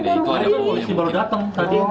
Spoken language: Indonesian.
polisi baru datang